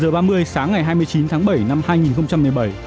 một h ba mươi sáng ngày hai mươi chín tháng bảy năm hai nghìn một mươi bảy